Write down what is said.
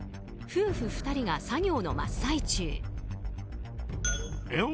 夫婦２人が作業の真っ最中。